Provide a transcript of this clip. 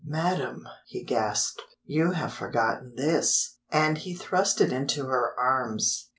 "Madam," he gasped, "you have forgotten this," and he thrust it into her arms.